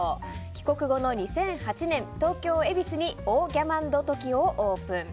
帰国後の２００８年東京・恵比寿にオー・ギャマン・ド・トキオをオープン。